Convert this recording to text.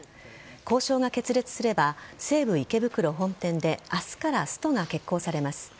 交渉が決裂すれば西武池袋本店で明日からストが決行されます。